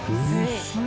薄い。